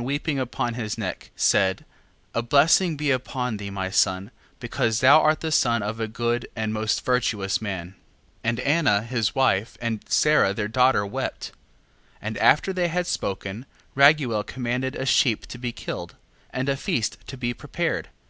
And Raguel went to him, and kissed him with tears and weeping upon his neck, said: A blessing be upon thee, my son, because thou art the son of a good and most virtuous man. 7:8. And Anna his wife, and Sara their daughter wept. 7:9. And after they had spoken, Raguel commanded a sheep to be killed, and a feast to be prepared.